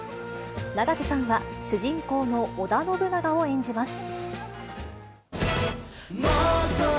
永瀬さんは、主人公の織田信長を演じます。